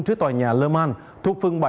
trước tòa nhà le mans thuộc phương bảy